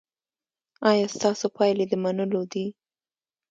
ایا ستاسو پایلې د منلو دي؟